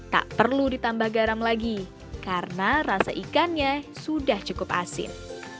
tak perlu ditambah garam lagi karena rasa ikannya sudah cukup asin